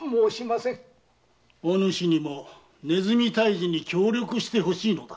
お主にも鼠退治に協力してほしいのだ。